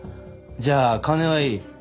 じゃあ金はいい。